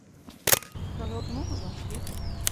No vilka mūk, uz lāci krīt.